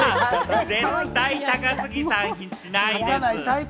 絶対、高杉さんしないです。